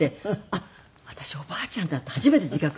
あっ私おばあちゃんだって初めて自覚して。